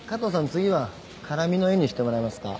次は絡みの絵にしてもらえますか？